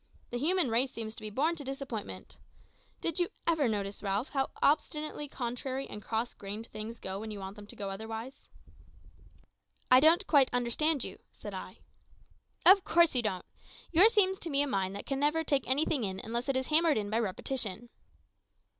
The human race seems to be born to disappointment. Did you never notice, Ralph, how obstinately contrary and cross grained things go when you want them to go otherwise?" "I don't quite understand you," said I. "Of course you don't. Yours seems to be a mind that can never take anything in unless it is hammered in by repetition."